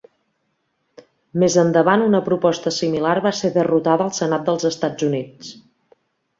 Més endavant una proposta similar va ser derrotada al Senat dels Estats Units.